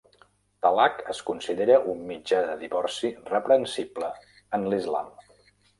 Talaq es considera un mitjà de divorci reprensible en l'Islam.